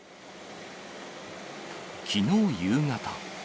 きのう夕方。